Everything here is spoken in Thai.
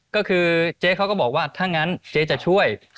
ก็คือเจ๊เขาก็บอกว่าถ้างั้นเจ๊จะช่วย